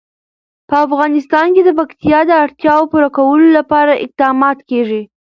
په افغانستان کې د پکتیکا د اړتیاوو پوره کولو لپاره اقدامات کېږي.